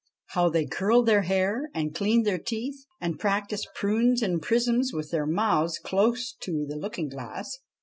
How they curled their hair and cleaned their teeth, and practised ' prunes and prisms ' with their mouths close to the looking glass